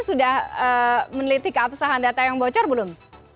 sudah meneliti keabsahan data yang bocor belum